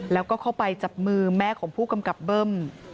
แล้วก็เข้าไปจับมือแม่ของผู้กำกับเบิ้ม